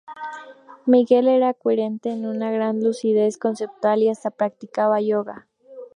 Miguel “era coherente, de una gran lucidez conceptual y hasta practicaba yoga.